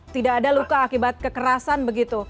tidak ada luka akibat kekerasan begitu